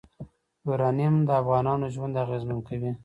یورانیم د افغانانو ژوند اغېزمن کوي.